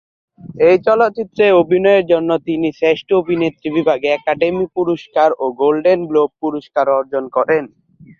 এই চলচ্চিত্রে অভিনয়ের জন্য তিনি শ্রেষ্ঠ অভিনেত্রী বিভাগে একাডেমি পুরস্কার ও গোল্ডেন গ্লোব পুরস্কার অর্জন করেন।